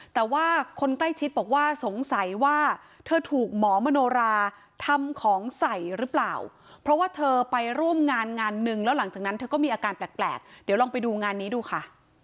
แต่ว่าคนใกล้ชิดบอกว่าสงสัยว่าเธอถูกหมอมโนราทำของใส่หรือเปล่าเพราะว่าเธอไปร่วมงานงานหนึ่งแล้วหลังจากนั้นเธอก็มีอาการแปลกเดี๋ยวลองไปดูงานนี้ดูค่ะ